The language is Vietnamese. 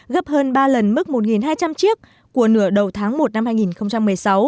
gấp hơn ba lần mức một hai trăm linh chiếc của nửa đầu tháng một năm hai nghìn một mươi sáu